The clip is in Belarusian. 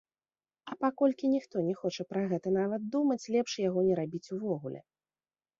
А паколькі ніхто не хоча пра гэта нават думаць, лепш яго не рабіць увогуле.